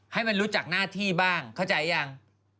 ให้มันรู้จักหน้าที่บ้างเข้าใจยัง